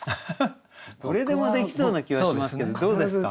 どれでもできそうな気はしますけどどうですか？